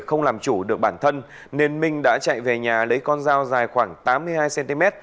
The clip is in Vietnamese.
không làm chủ được bản thân nên minh đã chạy về nhà lấy con dao dài khoảng tám mươi hai cm